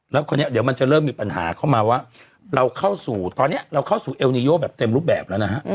แล้วคราวนี้เดี๋ยวมันจะเริ่มมีปัญหาเข้ามาว่าเราเข้าสู่ตอนนี้เราเข้าสู่เอลนิโยแบบเต็มรูปแบบแล้วนะฮะ